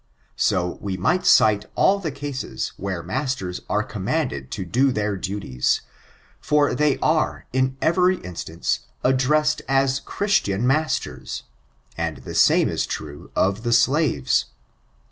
'* So we might cite all the cases where masters are conmianded to do their duties; for they are, in erery instance, addressed as Chrittian masters; and the same 18 true of the slaves.